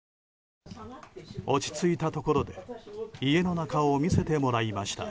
落ち着いたところで家の中を見せてもらいました。